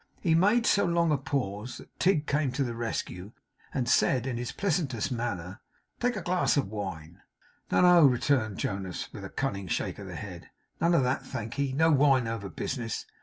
He made so long a pause, that Tigg came to the rescue, and said, in his pleasantest manner: 'Take a glass of wine.' 'No, no,' returned Jonas, with a cunning shake of the head; 'none of that, thankee. No wine over business.